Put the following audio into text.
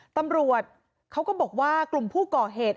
ตำรวจเขาก็บอกว่ากลุ่มผู้ก่อเหตุ